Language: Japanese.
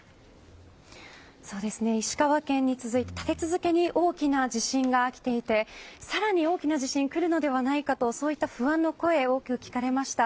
石川県と立て続けに大きな地震が起きていて更に大きな地震が来るのではないかとそういった不安の声多く聞かれました。